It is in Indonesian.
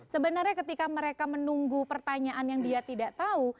sebenarnya ketika mereka menunggu pertanyaan yang dia tidak tahu